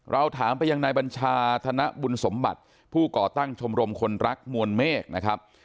เราถามไปยังนายบัญชาธนบุญสมบัติผู้ก่อตั้งชมรมคนรักมวลเมฆนะครับ